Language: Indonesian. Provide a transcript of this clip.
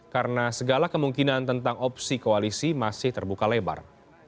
karena segala kemungkinan tentang opsi koalisi masih terbuka lebar